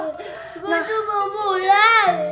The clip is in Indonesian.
guntur mau pulang